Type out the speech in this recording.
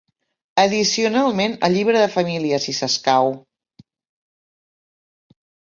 Addicionalment, el llibre de família si s'escau.